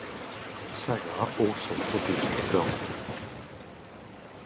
Sagar also produced the film.